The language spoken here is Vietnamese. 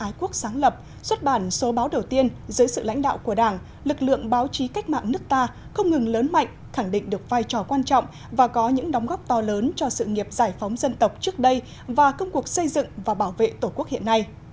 hai quốc sáng lập xuất bản số báo đầu tiên dưới sự lãnh đạo của đảng lực lượng báo chí cách mạng nước ta không ngừng lớn mạnh khẳng định được vai trò quan trọng và có những đóng góp to lớn cho sự nghiệp giải phóng dân tộc trước đây và công cuộc xây dựng và bảo vệ tổ quốc hiện nay